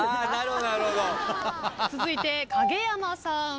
続いて影山さん。